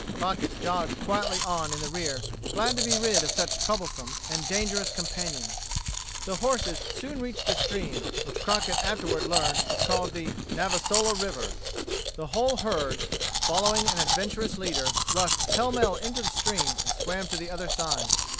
Crockett jogged quietly on in the rear, glad to be rid of such troublesome and dangerous companions. The horses soon reached a stream, which Crockett afterward learned was called the Navasola River. The whole herd, following an adventurous leader, rushed pell mell into the stream and swam to the other side.